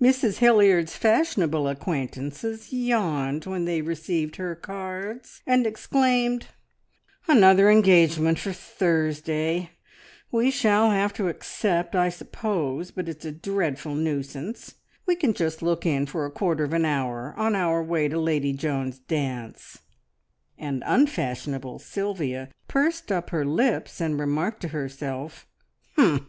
Mrs Hilliard's fashionable acquaintances yawned when they received her cards, and exclaimed, "Another engagement for Thursday! We shall have to accept, I suppose, but it's a dreadful nuisance! We can just look in for a quarter of an hour on our way to Lady Joan's dance;" and unfashionable Sylvia pursed up her lips and remarked to herself, "Humph!